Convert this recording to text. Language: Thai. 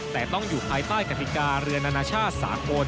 แต่ต้องอยู่ภายใต้กฎิกาเรือนานาชาติสากล